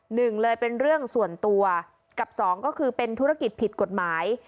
หนึ่งเลยเป็นเรื่องส่วนตัวกับสองก็คือเป็นธุรกิจผิดกฎหมาย